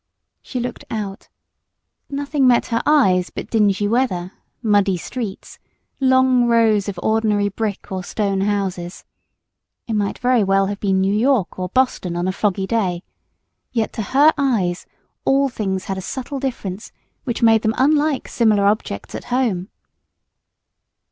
She looked out. Nothing met her eyes but dingy weather, muddy streets, long rows of ordinary brick or stone houses. It might very well have been New York or Boston on a foggy day, yet to her eyes all things had a subtle difference which made them unlike similar objects at home.